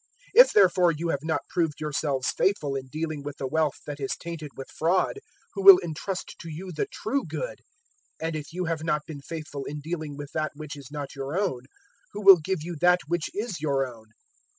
016:011 If therefore you have not proved yourselves faithful in dealing with the wealth that is tainted with fraud, who will entrust to you the true good? 016:012 And if you have not been faithful in dealing with that which is not your own, who will give you that which is your own?